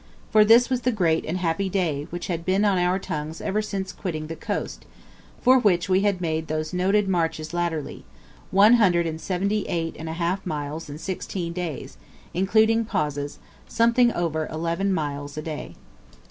For this was the great and happy day which had been on our tongues ever since quitting the coast, for which we had made those noted marches latterly one hundred and seventy eight and a half miles in sixteen days, including pauses something over eleven miles a day.